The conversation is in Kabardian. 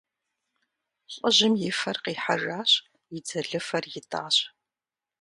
Лӏыжьым и фэр къихьэжащ, и дзэлыфэр итӀащ.